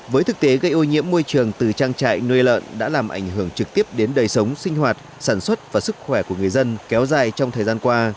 với thực tế gây ô nhiễm môi trường từ trang trại nuôi lợn đã làm ảnh hưởng trực tiếp đến đời sống sinh hoạt sản xuất và sức khỏe của người dân kéo dài trong thời gian qua